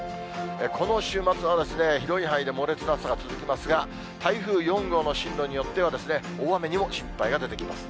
この週末は広い範囲で猛烈な暑さが続きますが、台風４号の進路によっては大雨にも心配が出てきます。